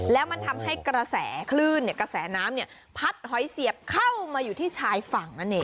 แล้วมันทำให้กระแสคลื่นกระแสน้ำพัดหอยเสียบเข้ามาอยู่ที่ชายฝั่งนั่นเอง